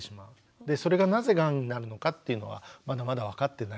でそれがなぜがんになるのかっていうのはまだまだ分かってない。